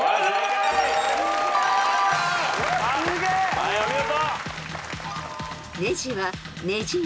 はいお見事！